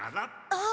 あっ！